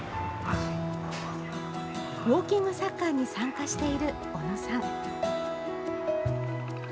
ウォーキングサッカーに参加している小野さん。